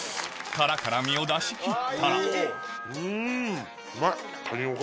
殻から身を出し切ったらうんうまい。